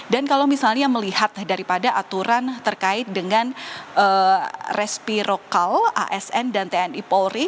dan kalau misalnya melihat daripada aturan terkait dengan respirokal asn dan tni polri